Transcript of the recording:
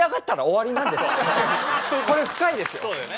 これ深いですよ。